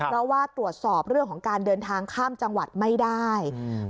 เพราะว่าตรวจสอบเรื่องของการเดินทางข้ามจังหวัดไม่ได้อืม